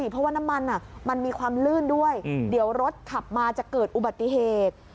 เพราะว่าน้ำมันมันมีความลื่นด้วยเดี๋ยวรถขับมาจะเกิดอุบัติเหตุ